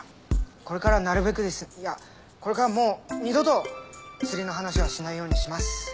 これからはなるべくいやこれからもう二度と釣りの話はしないようにします。